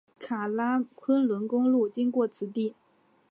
喀喇昆仑公路经过此地。